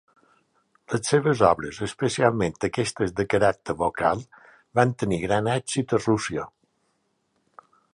Les seves obres, especialment aquestes de caràcter vocal, van tenir gran èxit a Rússia.